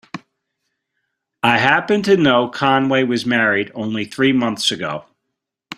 I happen to know Conway was married only three months ago.